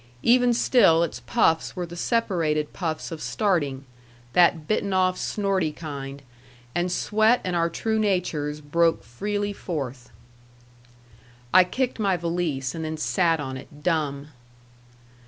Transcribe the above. Even still its puffs were the separated puffs of starting, that bitten off, snorty kind, and sweat and our true natures broke freely forth. I kicked my valise, and then sat on it, dumb.